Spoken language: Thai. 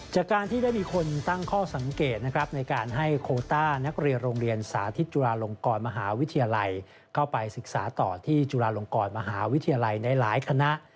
จากการที่ได้มีคนตั้งข้อสังเกตนะครับในการให้โคต้านักเรียนโรงเรียนสาธิตจุฬาลงกรมหาวิทยาลัยเข้าไปศึกษาต่อที่จุฬาลงกรมหาวิทยาลัยในหลายคณะ